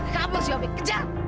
kau mau siapa kejar